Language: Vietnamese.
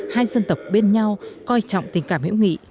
hai dân tộc bên nhau coi trọng tình cảm hữu nghị